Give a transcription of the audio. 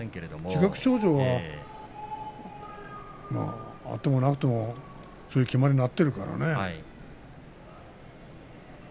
自覚症状はあってもなくてもそういう決まりになっているからね。